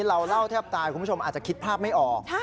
เราเล่าแทบตายคุณผู้ชมอาจจะคิดภาพไม่ออก